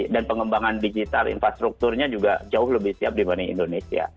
dan pengembangan digital infrastrukturnya juga jauh lebih siap dibanding indonesia